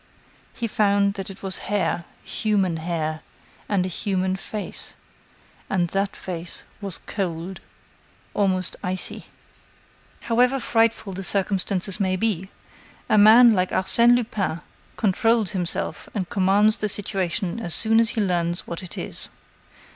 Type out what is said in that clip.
He found that it was hair, human hair, and a human face; and that face was cold, almost icy. However frightful the circumstances may be, a man like Arsène Lupin controls himself and commands the situation as soon as he learns what it is.